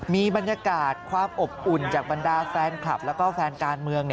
มีบรรยากาศความอบอุ่นจากบรรดาแฟนคลับแล้วก็แฟนการเมือง